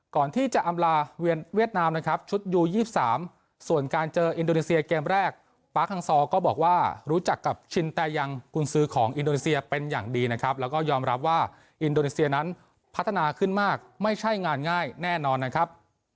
ก่อนที่จะอำลาเวียดนามนะครับชุดยู๒๓ส่วนการเจออินโดนีเซียเกมแรกปาร์คฮังซอร์ก็บอกว่ารู้จักกับชินแต่ยังกุญซือของอินโดนีเซียเป็นอย่างดีนะครับแล้วก็ยอมรับว่าอินโดนีเซียนั้นพัฒนาขึ้นมากไม่ใช่งานง่ายแน่นอนนะครับ